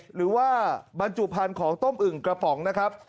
หรือว่าบรรจุพันธุ์ของต้มอึ่งกระป๋องนะครับ